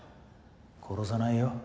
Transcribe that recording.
殺さないよ。